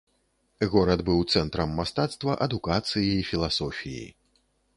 Горад быў цэнтрам мастацтва, адукацыі і філасофіі.